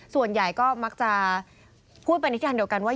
ส่วนใหญ่ก็มักจะพูดเป็นนิทานเดียวกันว่า